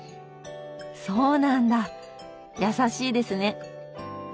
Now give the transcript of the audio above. そうなんだ優しいですね。